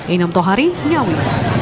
inom tohari ngawi